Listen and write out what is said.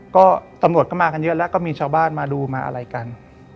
ก็ตำรวจก็มากันเยอะแล้วก็มีชาวบ้านมาดูมาอะไรกัน